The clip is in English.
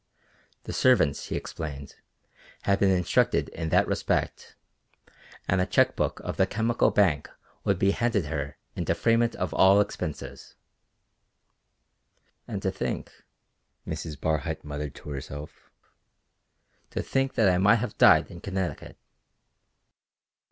The servants, he explained, had been instructed in that respect, and a checkbook of the Chemical Bank would be handed her in defrayment of all expenses. "And to think," Mrs. Barhyte muttered to herself, "to think that I might have died in Connecticut!"